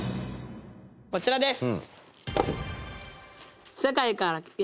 こちらです。